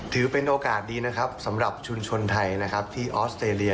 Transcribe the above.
ถือเป็นโอกาสดีนะครับสำหรับชุมชนไทยนะครับที่ออสเตรเลีย